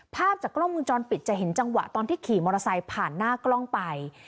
ภาพจากกล้องมุมจรปิดจะเห็นจังหวะตอนที่ขี่มอเตอร์ไซค์ผ่านหน้ากล้องไป